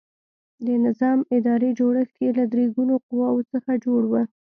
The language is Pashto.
د نظام اداري جوړښت یې له درې ګونو قواوو څخه جوړ و.